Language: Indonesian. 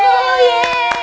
berarti satu sama ya